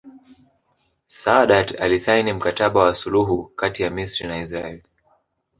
Saadat alisaini Mkataba wa suluhu kati ya Misri na Israeli